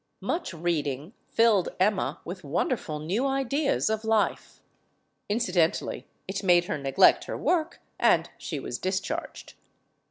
Much reading filled Emma with wonderful new ideas of life. Incidentally, it made her neglect her work, and she was discharged.